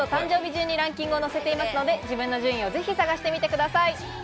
順にランキングを載せていますので自分の順位をぜひ探してみてください。